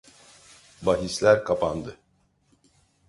Bahisler kapandı.